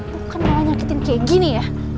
bukan malah nyakitin kayak gini ya